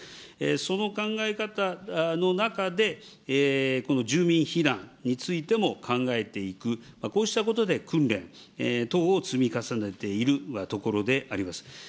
その考え方の中で、この住民避難についても考えていく、こうしたことで訓練等を積み重ねているところであります。